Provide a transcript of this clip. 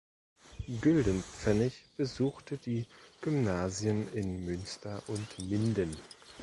Güldenpfennig besuchte die Gymnasien in Münster und Minden.